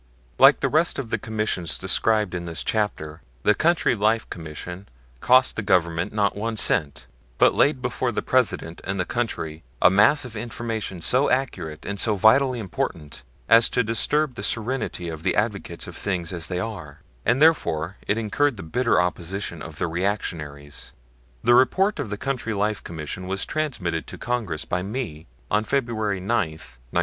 Like the rest of the Commissions described in this chapter, the Country Life Commission cost the Government not one cent, but laid before the President and the country a mass of information so accurate and so vitally important as to disturb the serenity of the advocates of things as they are; and therefore it incurred the bitter opposition of the reactionaries. The report of the Country Life Commission was transmitted to Congress by me on February 9, 1909.